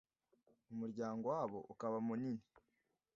umuryango wabo ukaba munini.